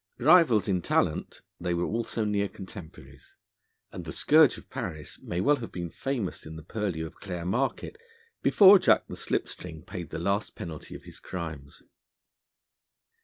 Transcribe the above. Rivals in talent, they were also near contemporaries, and the Scourge of Paris may well have been famous in the purlieus of Clare Market before Jack the Slip String paid the last penalty of his crimes.